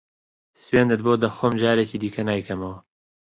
سوێندت بۆ دەخۆم جارێکی دیکە نایکەمەوە.